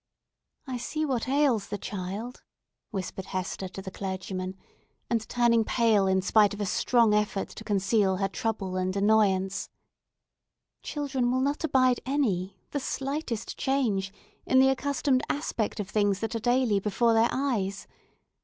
"I see what ails the child," whispered Hester to the clergyman, and turning pale in spite of a strong effort to conceal her trouble and annoyance, "Children will not abide any, the slightest, change in the accustomed aspect of things that are daily before their eyes.